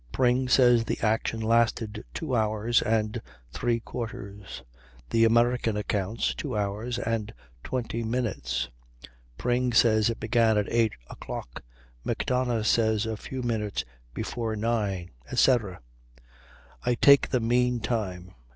Pring says the action lasted two hours and three quarters, the American accounts, two hours and twenty minutes. Pring says it began at 8.00; Macdonough says a few minutes before nine, etc. I take the mean time.